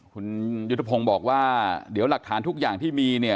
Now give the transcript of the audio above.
คุณยุทธพงศ์บอกว่าเดี๋ยวหลักฐานทุกอย่างที่มีเนี่ย